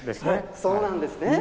そうなんですね。